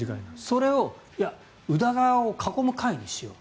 それを宇田川を囲む会にしよう。